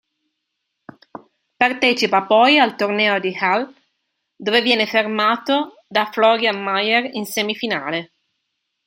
Partecipa poi al torneo di Halle dove viene fermato da Florian Mayer in semifinale.